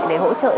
để hỗ trợ cho mẹ